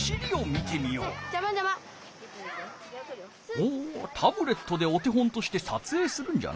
ほうタブレットでお手本としてさつえいするんじゃな。